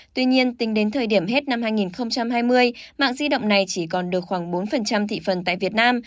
tuy nhiên tính đến thời điểm hết năm hai nghìn hai mươi mạng di động này chỉ còn được khoảng bốn thị phần tại việt nam